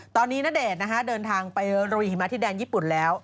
ตอนนี้ณเดชน์เดินทางไปโรยหิมะที่แดนญี่ปุ่นแล้ว